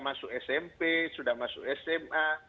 masuk smp sudah masuk sma